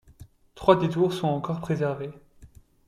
Trois des tours sont encore préservées.